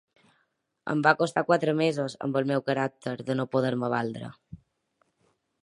Em va costar quatre mesos, amb el meu caràcter, de no poder-me valdre.